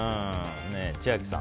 千秋さん。